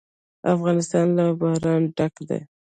افغانستان له باران ډک دی.